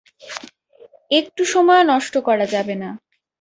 একটু সময়ও নষ্ট করা যাবে না।